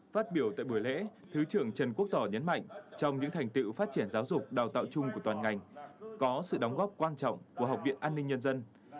phát biểu tại buổi lễ thứ trưởng trần quốc tỏ nhấn mạnh trong những thành tựu phát triển giáo dục đào tạo chung của toàn ngành có sự đóng góp quan trọng của học viện an ninh nhân dân